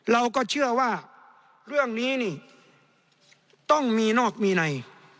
เราก็เชื่อว่าเรื่องนี้นี่ต้องมีนอกมีใน